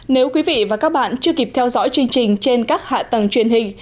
nếu quý vị và các bạn chưa kịp theo dõi chương trình trên các hạ tầng truyền hình